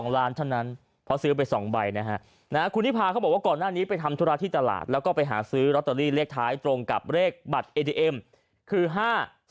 ๑๒ล้านเท่านั้นเพราะซื้อไป๒ใบนะฮะ